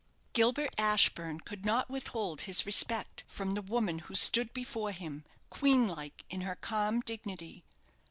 Gilbert Ashburne could not withhold his respect from the woman who stood before him, queen like in her calm dignity.